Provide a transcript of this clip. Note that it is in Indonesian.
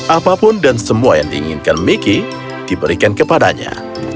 apapun dan semua yang diinginkan miki diberikan kepadanya